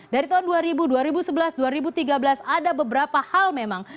dari tahun dua ribu dua ribu sebelas dua ribu tiga belas ada beberapa hal memang